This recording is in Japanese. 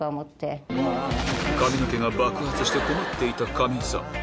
髪の毛が爆発して困っていた亀井さん